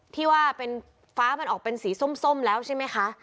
ที่ว่าเป็นฟ้ามันออกเป็นสีส้มแล้วใช่ไหมคะ